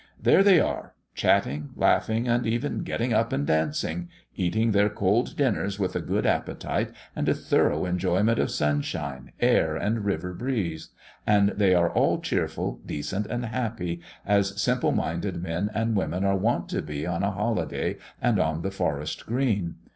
There they are chatting, laughing, and even getting up and dancing, eating their cold dinners with a good appetite and a thorough enjoyment of sunshine, air, and river breeze, and they are all cheerful, decent, and happy, as simple minded men and women are wont to be on a holiday and on the forest green.